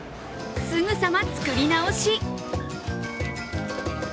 すぐさま作り直し。